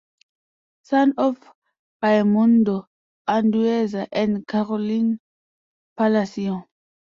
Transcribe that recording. Son of "Raimundo Andueza" and "Carolina Palacio".